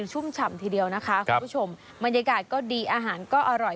ชุ่มฉ่ำทีเดียวนะคะคุณผู้ชมบรรยากาศก็ดีอาหารก็อร่อย